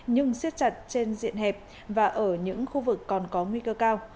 nhưng siết chặt trên diện hẹp và ở những khu vực còn có nguy cơ cao